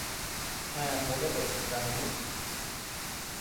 হ্যাঁ বলে দে, গাঙু।